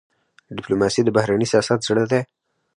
ډيپلوماسي د بهرني سیاست زړه دی.